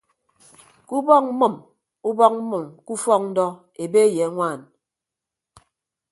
Ke ubọk mmʌm ubọk mmʌm ke ufọk ndọ ebe ye añwaan.